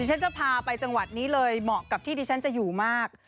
ฉันจะพาไปจังหวัดนี้เลยเหมาะกับที่ดิฉันจะอยู่มาก